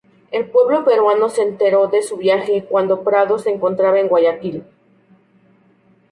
El pueblo peruano se enteró de su viaje cuando Prado se encontraba en Guayaquil.